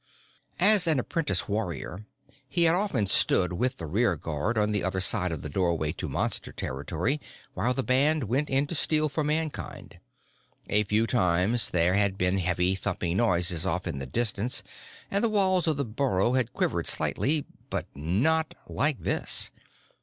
As an apprentice warrior, he had often stood with the rear guard on the other side of the doorway to Monster territory while the band went in to steal for Mankind. A few times there had been heavy, thumping noises off in the distance, and the walls of the burrow had quivered slightly. But not like this.